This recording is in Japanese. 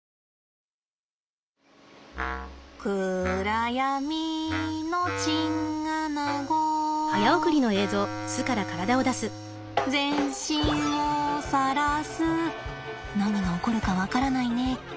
「くらやみのチンアナゴ」「全身をさらす」何が起こるか分からないね。